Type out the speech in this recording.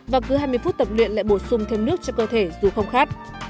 và cứ hai mươi phút tập luyện lại bổ sung thêm nước cho cơ thể dù không khát